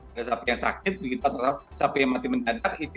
ada sapi yang sakit begitu atau sapi yang mati mendadak